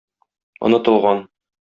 Онытылган...